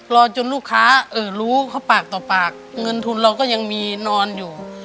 รอจนลูกค้ารู้เขาปากต่อปากเงินทุนเราก็ยังมีนอนอยู่